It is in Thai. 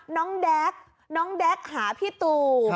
น้องแด๊กน้องแด๊กหาพี่ตู่